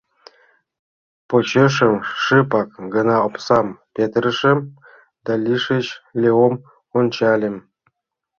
Почешем шыпак гына омсам петырышым да лишыч Леом ончальым.